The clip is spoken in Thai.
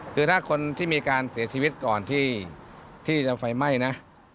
คือถ้าคนที่มีการเสียชีวิตก่อนที่จะไฟไหม้นะ